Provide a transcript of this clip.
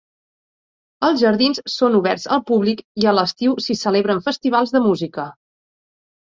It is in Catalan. Els jardins són oberts al públic i a l'estiu s'hi celebren festivals de música.